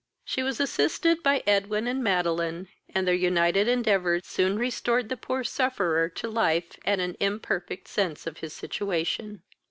She was assisted by Edwin and Madeline, and their united endeavours soon restored the poor sufferer to life and an imperfect sense of his situation.